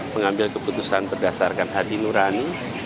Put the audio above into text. mengambil keputusan berdasarkan hati nurani